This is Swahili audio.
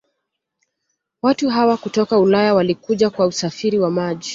Watu hawa kutoka ulaya Walikuja kwa usafiri wa maji